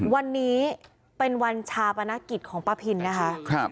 วันนี้เป็นวันชาปนกิจของป้าพินนะคะ